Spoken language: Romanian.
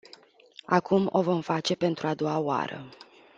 Acum o vom face pentru a doua oară.